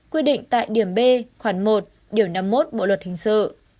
quy định tại điểm b khoảng một điều năm mươi một bộ luật hình sự